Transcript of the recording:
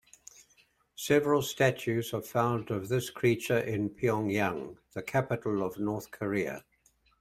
Several statues are found of this creature in Pyongyang, the capital of North Korea.